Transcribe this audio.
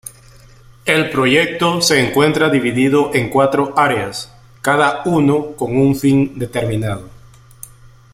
El proyecto se encuentra dividido en cuatro áreas, cada uno con un fin determinado.